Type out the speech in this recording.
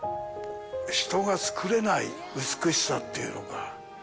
人が作れない美しさというのか。